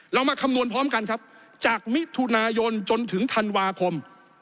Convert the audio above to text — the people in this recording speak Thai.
มาคำนวณพร้อมกันครับจากมิถุนายนจนถึงธันวาคม